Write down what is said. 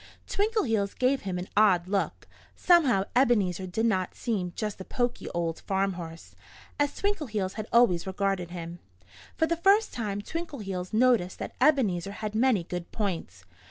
Twinkleheels gave him an odd look. Somehow Ebenezer did not seem just a poky old farm horse, as Twinkleheels had always regarded him. For the first time Twinkleheels noticed that Ebenezer had many good points.